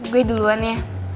gue duluan ya